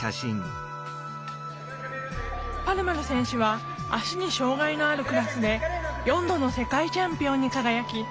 パルマル選手は足に障害のあるクラスで４度の世界チャンピオンに輝き